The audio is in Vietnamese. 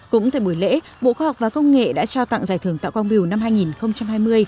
cũng tại buổi lễ bộ khoa học và công nghệ đã trao tặng giải thưởng tạo quang biểu năm hai nghìn hai mươi